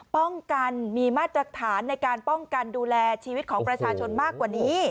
ป้องกันมีมาตรฐานในการป้องกันดูแลชีวิตของประชาชนมากกว่านี้